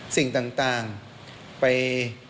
สิ่งต่างไป